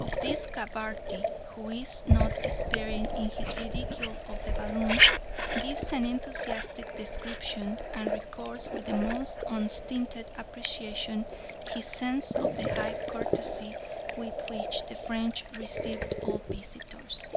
Of this Gabarty, who is not sparing in his ridicule of the balloon, gives an enthusiastic description, and records with the most unstinted appreciation his sense of the high courtesy with which the French received all visitors.